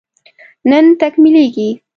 نن تکميلېږي